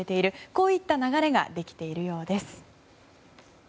こういった流れができているようです。